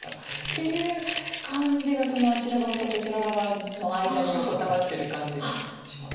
という感じがその「あちら側」と「こちら側」の間に横たわってる感じがします。